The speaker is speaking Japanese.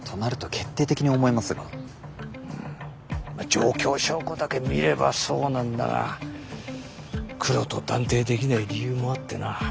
状況証拠だけ見ればそうなんだがクロと断定できない理由もあってな。